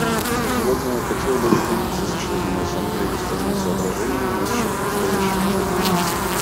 Сегодня я хотел бы поделиться с членами Ассамблеи своими соображениями насчет предстоящего пути.